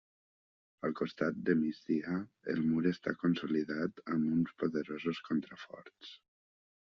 Al costat de migdia el mur està consolidat amb uns poderosos contraforts.